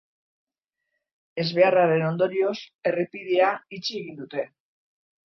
Ezbeharraren ondorioz, errepidea itxi egin dute.